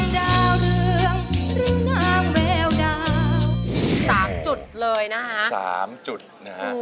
๓จุดนะฮะ